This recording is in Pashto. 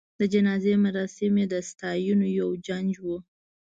د جنازې مراسم یې د ستاینو یو جنج و.